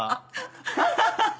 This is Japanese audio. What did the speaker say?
ハハハハ！